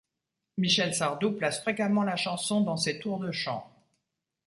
Michel Sardou place fréquemment la chanson dans ses tours de chant.